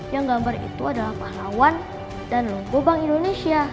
yang gambar itu adalah pahlawan dan logo bank indonesia